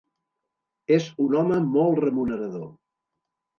És un home molt remunerador.